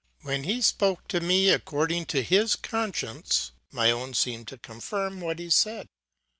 When he spoke to me according to his conscience, my own seemed to confirm what he said.